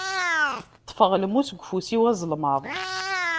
Ṭṭfeɣ lmus deg ufus-iw azelmaḍ.